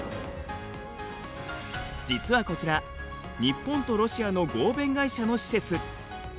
実はこちら日本とロシアの合弁会社の施設。